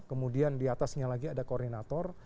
kemudian diatasnya lagi ada koordinator